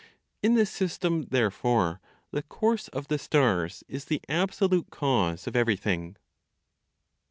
In this system, therefore, the course of the stars is the absolute cause of everything.